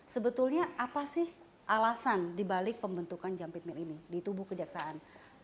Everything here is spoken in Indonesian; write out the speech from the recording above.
sebetulnya apa sih alasan dibalik pembentukan jampit mil ini di tubuh kejaksaan